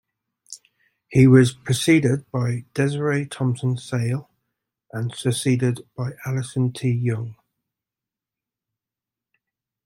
He was preceded by Desiree Thompson Sayle and succeeded by Alison T. Young.